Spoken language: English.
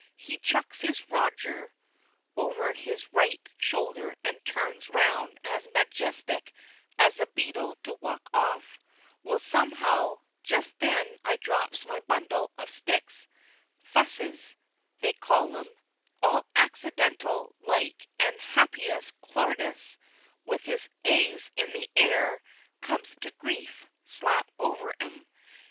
he chucks his toger over his right shoulder, and turns round as magestick as a beedle to walk off well, some'ow, just then I drops my bundle of sticks ("fusses," they call 'em), all accidentle like, and Happyus Clordyus, with his heyes in the hair, comes to grief, slap over 'em.